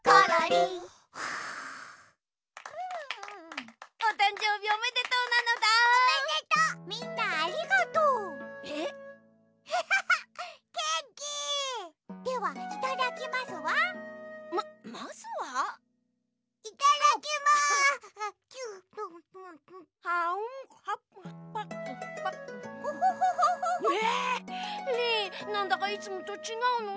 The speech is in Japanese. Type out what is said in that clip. リンなんだかいつもとちがうのだ。